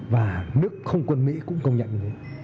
và nước không quân mỹ cũng công nhận